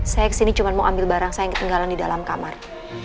saya kesini cuma mau ambil barang saya yang ketinggalan di dalam kamar